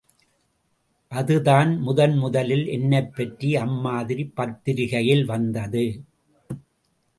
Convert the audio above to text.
அதுதான் முதன் முதலில் என்னைப்பற்றி அம்மாதிரி பத்திரிகையில் வந்தது.